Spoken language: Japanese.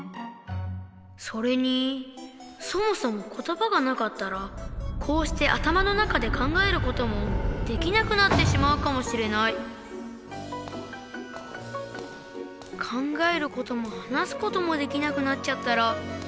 それにそもそも言葉がなかったらこうして頭の中で考えることもできなくなってしまうかもしれない考えることも話すこともできなくなっちゃったら。